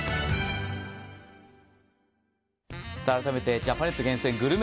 ジャパネット厳選グルメ